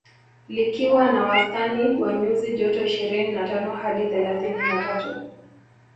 Likiwa na wastani wa nyuzi joto ishirini na tano hadi thelathini na tatu